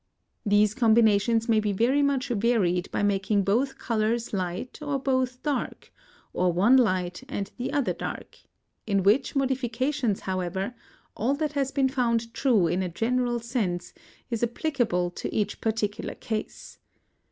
These combinations may be very much varied by making both colours light or both dark, or one light and the other dark; in which modifications, however, all that has been found true in a general sense is applicable to each particular case.